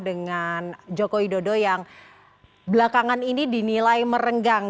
dengan joko widodo yang belakangan ini dinilai merenggang